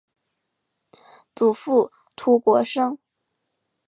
祖父涂国升。